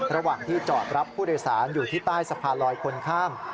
ระหว่างที่จอดรับผู้โดยสารอยู่ที่ใต้สะพานลอยคนข้าม